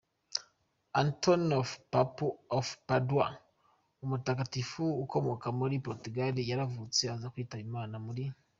Anthony of Padua, umutagatifu ukomoka muri Portugal yaravutse aza kwitaba Imana muri .